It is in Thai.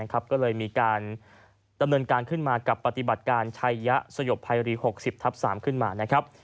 ก็เลยมีการดำเนินการขึ้นมากับปฏิบัติการชัยยะสยบภัยรี๖๐ทับ๓ขึ้นมานะครับ